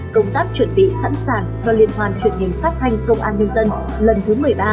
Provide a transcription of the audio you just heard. công tác chuẩn bị sẵn sàng cho liên hoan truyền hình phát thanh công an nhân dân lần thứ một mươi ba